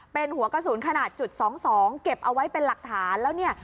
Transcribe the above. เป็นหัวกระสุนขนาดจุดสองสองเก็บเอาไว้เป็นหลักฐานแล้วเนี่ย